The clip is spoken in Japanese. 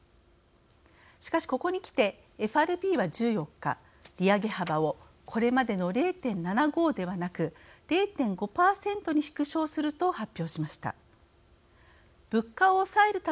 しかし、ここにきてＦＲＢは１４日、利上げ幅をこれまでの０．７５ではなく０．５％に縮小すると発表しました。